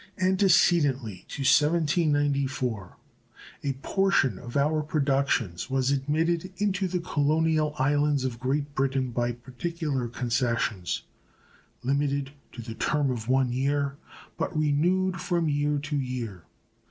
Antecedently to 1794 a portion of our productions was admitted into the colonial islands of Great Britain by particular concessions, limited to the term of one year, but renewed from year to year.